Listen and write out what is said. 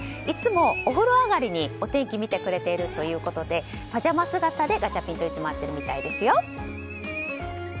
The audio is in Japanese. いつもお風呂上がりにお天気見てくれているということでパジャマ姿でガチャピンといつも会っているみたいです。